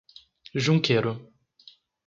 Junqueiro